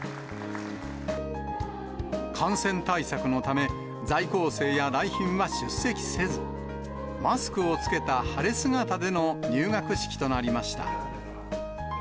感染対策のため、在校生や来賓は出席せず、マスクを着けた晴れ姿での入学式となりました。